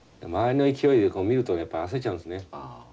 周りの勢いを見るとやっぱ焦っちゃうんですね。